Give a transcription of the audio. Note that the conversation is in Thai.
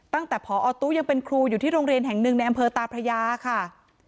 ตั้งแต่พอตู้ยังเป็นครูอยู่ที่โรงเรียนแห่งหนึ่งในอำเภอตาพระยาค่ะ